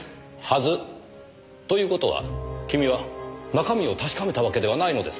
「はず」という事は君は中身を確かめたわけではないのですか？